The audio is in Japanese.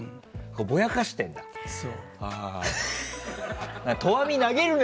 ぼやかしてんだね。